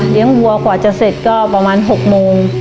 วัวกว่าจะเสร็จก็ประมาณ๖โมง